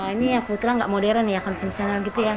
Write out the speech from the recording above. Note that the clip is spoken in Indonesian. ini ya putra nggak modern ya konvensionalnya